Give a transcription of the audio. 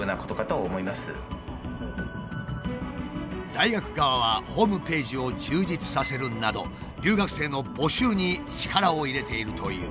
大学側はホームページを充実させるなど留学生の募集に力を入れているという。